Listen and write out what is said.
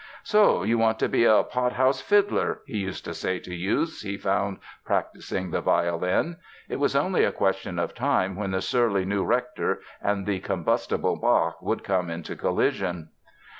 "So you want to be a pot house fiddler," he used to say to youths he found practising the violin. It was only a question of time when the surly new rector and the combustible Bach would come into collision.